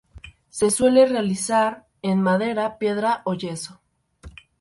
Se suele realizar en madera, piedra o yeso.